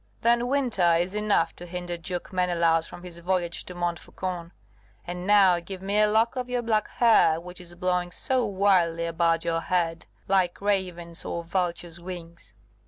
Then winter is enough to hinder Duke Menelaus from his voyage to Montfaucon. And now give me a lock of your black hair, which is blowing so wildly about your head, like ravens' or vultures' wings."